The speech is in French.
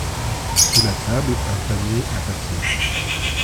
Sous la table, un panier à papier.